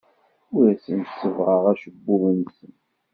Ur asen-sebbɣeɣ acebbub-nsen.